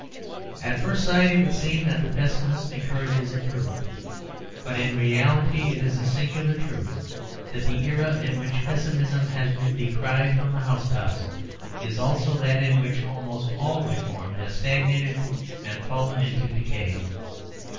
At first sight it would seem that the pessimist encourages improvement. But in reality it is a singular truth that the era in which pessimism has been cried from the house tops is also that in which almost all reform has stagnated and fallen into decay.